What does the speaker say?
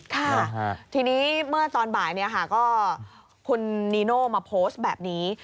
ค่ะทีนี้เมื่อตอนบ่ายก็คุณนีโน่มาโพสต์แบบนี้